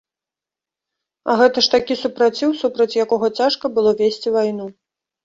А гэта ж такі супраціў, супраць якога цяжка было весці вайну.